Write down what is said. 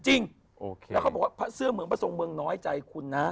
จริงแล้วเขาบอกว่าพระเสื้อเมืองพระทรงเมืองน้อยใจคุณนะ